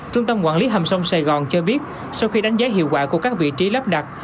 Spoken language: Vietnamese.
trung tâm quản lý hầm sông sài gòn cho biết sau khi đánh giá hiệu quả của các vị trí lắp đặt